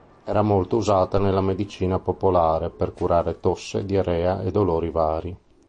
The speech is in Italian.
Era molto usata nella medicina popolare per curare tosse, diarrea e dolori vari.